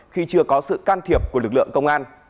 khi chưa có sự can thiệp của lực lượng công an